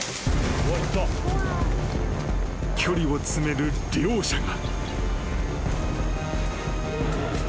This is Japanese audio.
［距離を詰める両者が］